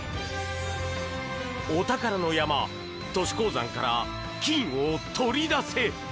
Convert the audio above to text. お宝の山、都市鉱山から金を取り出せ！